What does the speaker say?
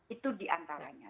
itu di antaranya